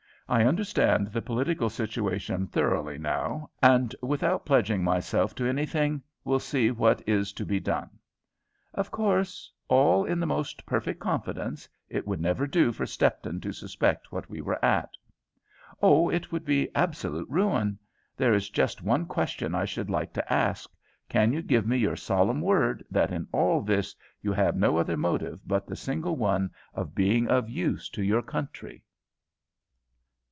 I understand the political situation thoroughly now, and without pledging myself to anything, will see what is to be done." "Of course, all in the most perfect confidence; it would never do for Stepton to suspect what we were at." "Oh, it would be absolute ruin. There is just one question I should like to ask, Can you give me your solemn word that in all this you have no other motive but the single one of being of use to your country?"